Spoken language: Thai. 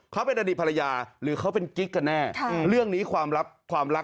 เขาเป็นอดีตภรรยาหรือเขาเป็นกิ๊กกันแน่เรื่องนี้ความลับความรัก